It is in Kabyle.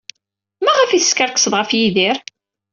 Maɣef ay teskerksed ɣef Yidir?